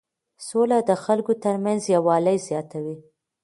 سوله د خلکو ترمنځ یووالی زیاتوي.